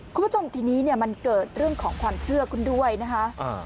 คุณผู้ชมทีนี้เนี่ยมันเกิดเรื่องของความเชื่อขึ้นด้วยนะคะ